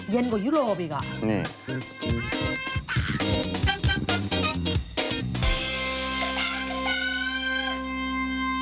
เย็นกว่ายุโรปอีกอ่ะ